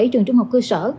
bảy trường trung học cơ sở